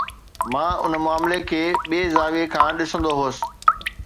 مان ان معاملي کي ٻئي زاويي کان ڏسندو هوس.